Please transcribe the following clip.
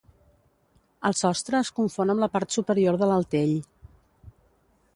El sostre es confon amb la part superior de l'altell.